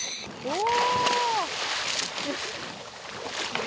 うわ。